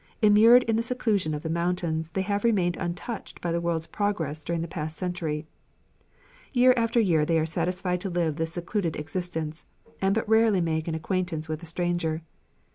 Immured in the seclusion of the mountains they have remained untouched by the world's progress during the past century. Year after year they are satisfied to live this secluded existence, and but rarely make an acquaintance with a stranger.